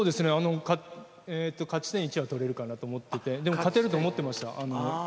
勝ち点１は取れるかなと思っててでも勝てると思ってました。